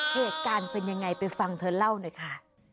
เหตุการณ์เป็นยังไงไปฟังเธอเล่าหน่อยค่ะ